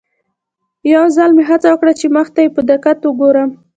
یو ځل مې هڅه وکړه چې مخ ته یې په دقت وګورم.